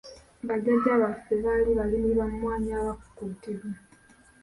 Ba Jjajjaffe bali balimi ba mmwanyi abakuukutivu!